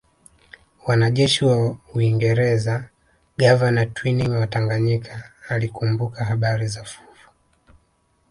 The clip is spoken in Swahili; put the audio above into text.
Wanajeshi wa Uingereza gavana Twining wa Tanganyika alikumbuka habari za fuvu